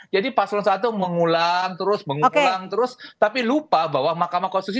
jadi pas orang satu mengulang terus mengulang terus tapi lupa bahwa mahkamah konstitusi